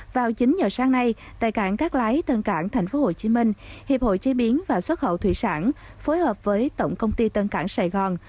vào chín giờ sáng nay tại cảng cát lái tân cảng tp hcm hiệp hội chế biến và xuất khẩu thủy sản phối hợp với tổng công ty tân cảng sài gòn